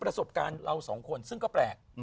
ประสบการณ์เราสองคนซึ่งก็แปลก